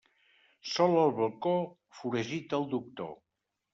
Sol al balcó, foragita al doctor.